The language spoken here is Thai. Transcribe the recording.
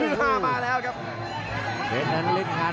อื้อหือจังหวะขวางแล้วพยายามจะเล่นงานด้วยซอกแต่วงใน